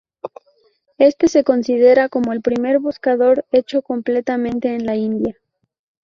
Este se considera como el primer buscador hecho completamente en la India.